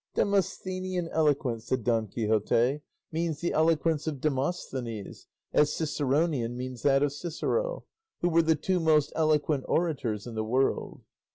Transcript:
"Demosthenian eloquence," said Don Quixote, "means the eloquence of Demosthenes, as Ciceronian means that of Cicero, who were the two most eloquent orators in the world."